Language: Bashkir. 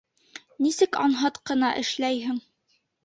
Нисек анһат ҡына эшләйһең!